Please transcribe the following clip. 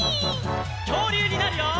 きょうりゅうになるよ！